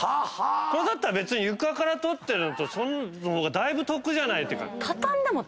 これだったら床から取ってる方がだいぶ得じゃない⁉っていうか。